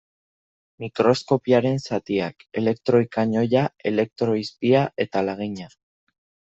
Mikroskopioaren zatiak: Elektroi kanoia, elektroi izpia eta lagina.